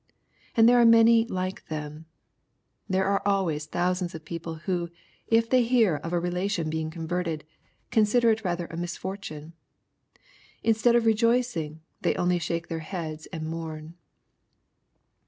And there are many like them. There are alway thousands of people who, if they hear of a relation being converted, consider it rather a misfortune. Instead of rejoicing, they only shake their heads and mourn.